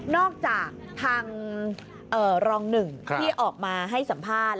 จากทางรองหนึ่งที่ออกมาให้สัมภาษณ์